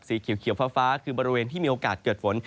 สีเขียวฟ้าคือบริเวณที่มีโอกาสเกิดฝน